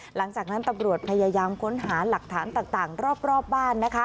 หลังจากนั้นตำรวจพยายามค้นหาหลักฐานต่างรอบบ้านนะคะ